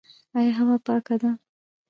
آیا هوا پاکه ده؟